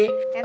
nanti ya bang